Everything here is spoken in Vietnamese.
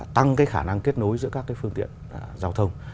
tăng cái khả năng kết nối giữa các phương tiện giao thông